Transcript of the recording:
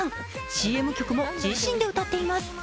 ＣＭ曲も自身で歌っています。